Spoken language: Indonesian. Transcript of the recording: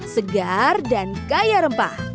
segar dan kaya rempah